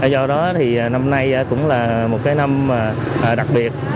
do đó thì năm nay cũng là một cái năm đặc biệt